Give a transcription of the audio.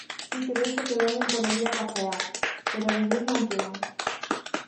Si que vexo que veñen por alí a pasear, pero a vivir non quedan.